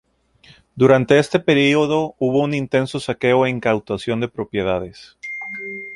Durante este período hubo un intenso saqueo e incautación de propiedades.